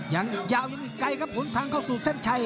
ยังยาวยังอีกไกลครับหนทางเข้าสู่เส้นชัย